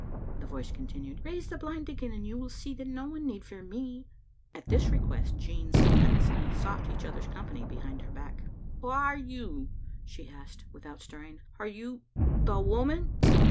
the voice continued. "Raise the blind again, and you will see that no one need fear me. At this request Jean's hands sought each other's company behind her back. "Whaareyou?" she asked, without stirring. "Are you — the woman?"